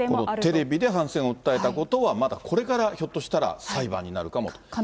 このテレビで反戦を訴えたことはまだこれから、ひょっとしたら裁判になるかもと。